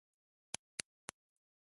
それでは、今日の授業を始めます。